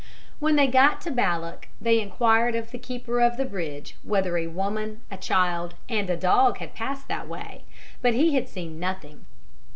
When they got to Ballock they enquired of the keeper of the bridge whether a woman, a child, and a dog had passed that way, but he had seen nothing.